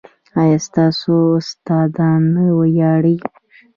ایا ستاسو استادان نه ویاړي؟